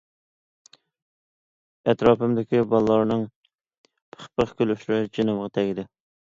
ئەتراپىمدىكى بالىلارنىڭ پىخ- پىخ كۈلۈشلىرى جېنىمغا تەگدى.